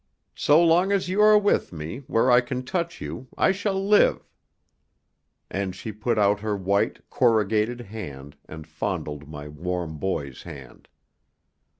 So long as you are with me, where I can touch you, I shall live." And she put out her white, corrugated hand, and fondled my warm boy's hand.